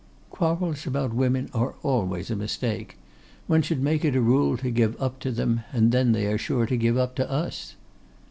'Quarrels about women are always a mistake. One should make it a rule to give up to them, and then they are sure to give up to us.